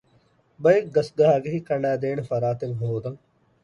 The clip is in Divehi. ބައެއް ގަސްގަހާގެހި ކަނޑައިދޭނެ ފަރާތެއް ހޯދަން